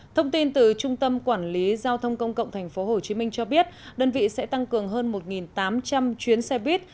thông tin từ trung tâm quản lý giao thông công cộng tp hcm cho biết đơn vị sẽ tăng cường hơn một tám trăm linh chuyến xe buýt